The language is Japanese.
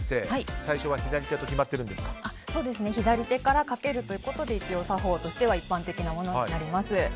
最初は左手と左手からかけるということで一応、作法としては一般的なものになります。